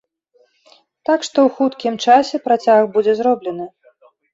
Так што ў хуткім часе працяг будзе зроблены.